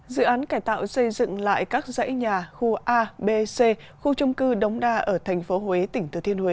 dự án cải tạo xây dựng lại các dãy nhà khu a b c khu trung cư đống đa ở tp hcm